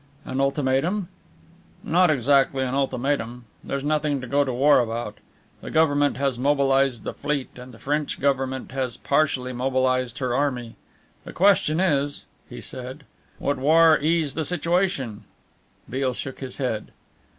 "An ultimatum?" "Not exactly an ultimatum. There's nothing to go to war about. The Government has mobilized the fleet and the French Government has partially mobilized her army. The question is," he said, "would war ease the situation?" Beale shook his head.